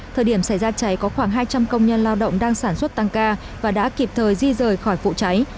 thời điểm xảy ra cháy có khoảng hai trăm linh công nhân lao động đang sản xuất tăng ca và đã kịp thời di rời khỏi vụ cháy